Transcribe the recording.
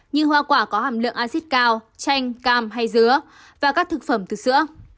như hoa quả có hàm lượng axit cao chanh cam hay dứa và các thực phẩm thực sữa